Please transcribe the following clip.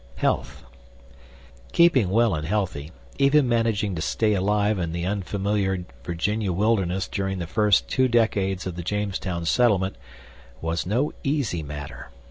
Health Keeping well and healthy, even managing to stay alive in the unfamiliar Virginia wilderness during the first two decades of the Jamestown settlement, was no easy matter.